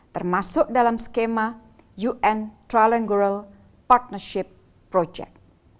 termasuk dalam skema un peacekeeping